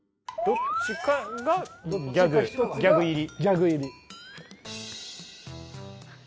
どっちか一つがギャグ入り。